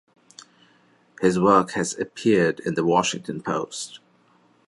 His work has appeared in the Washington Post.